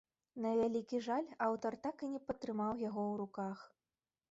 На вялікі жаль, аўтар так і не патрымаў яго ў руках.